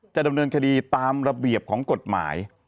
จะดำเนินคดีตามระเบียบของกฎหมาย